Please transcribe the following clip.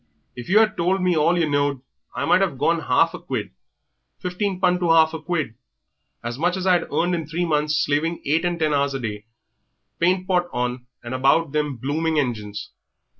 If you had told me all yer knowed I might 'ave gone 'alf a quid fifteen pun to 'alf a quid! as much as I'd earn in three months slaving eight and ten hours a day, paint pot on 'and about them blooming engines.